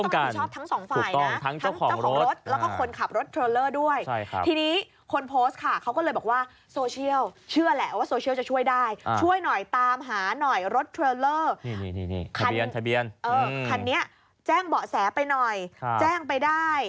อ๋อคันนี้แจ้งเบาะแสไปหน่อยแจ้งไปได้